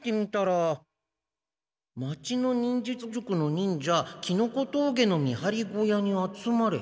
「町の忍術塾の忍者キノコ峠の見張り小屋に集まれ」。